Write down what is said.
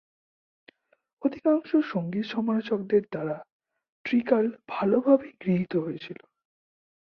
অধিকাংশ সঙ্গীত সমালোচকদের দ্বারা ট্রিকাল ভালভাবেই গৃহীত হয়েছিল।